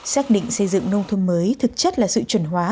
xác định xây dựng nông thôn mới thực chất là sự chuẩn hóa